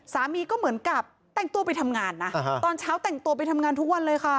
สามีก็เหมือนกับแต่งตัวไปทำงานนะตอนเช้าแต่งตัวไปทำงานทุกวันเลยค่ะ